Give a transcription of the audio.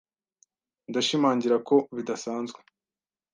Ndashimangira ko bidasanzwe.